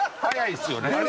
早いですよね。